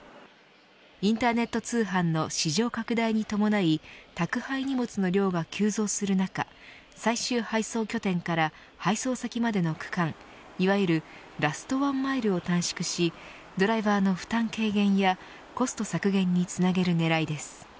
インターネット通販の市場拡大に伴い宅配荷物の量が急増する中最終配送拠点から配送先までの区間いわゆるラストワンマイルを短縮しドライバーの負担軽減やコスト削減につなげるねらいです。